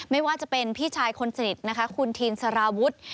ไม่ว่าจะเป็นพี่ชายคนสนิทนะคะคุณทีนสารวุฒิ